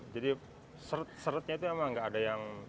jadi seret seretnya itu emang nggak ada yang